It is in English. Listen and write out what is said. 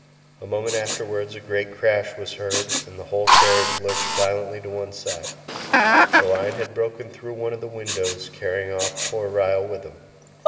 A moment afterwards a great crash was heard, and the whole carriage lurched violently to one side; the lion had broken through one of the windows, carrying off poor Ryall with him.